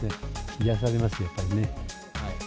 癒やされます、やっぱりね。